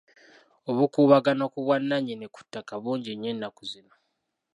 Obukuubagano ku bwannannyini ku ttaka bungi nnyo ennaku zino.